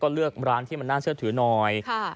เลือกร้านที่มันน่าเชื่อถือหน่อย